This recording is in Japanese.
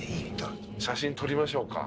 写真撮りましょうか。